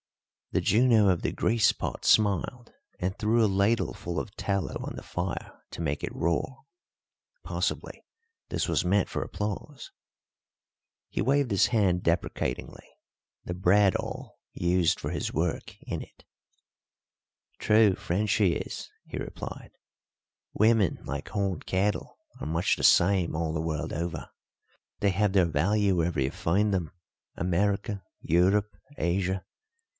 The Juno of the grease pot smiled and threw a ladleful of tallow on the fire to make it roar; possibly this was meant for applause. He waved his hand deprecatingly, the bradawl used for his work in it. "True, friend, she is," he replied. "Women, like horned cattle, are much the same all the world over. They have their value wherever you find them America, Europe, Asia.